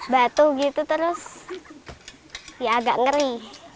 batu gitu terus ya agak ngeri